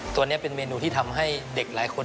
ตัวนี้เป็นเมนูที่ทำให้เด็กหลายคน